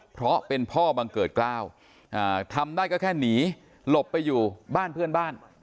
เพราะเป็นพ่อบังเกิดกล้าวทำได้ก็แค่หนีหลบไปอยู่บ้านเพื่อนบ้าน